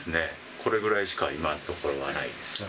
これぐらいしか今のところはないです。